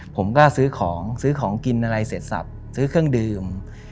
ผมก็ซื้อของซื้อของกินอะไรเสร็จสับซื้อเครื่องดื่ม